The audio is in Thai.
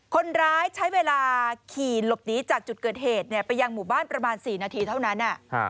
คนร้ายใช้เวลาขี่หลบหนีจากจุดเกิดเหตุไปยังหมู่บ้านประมาณ๔นาทีเท่านั้น